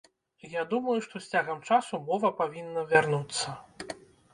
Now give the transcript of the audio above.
Я думаю, што з цягам часу мова павінна вярнуцца.